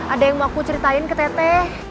ada yang mau aku ceritain ke tete